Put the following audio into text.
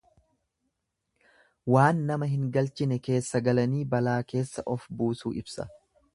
Waan nama hin galchine keessa galanii balaa keessa of buusuu ibsa.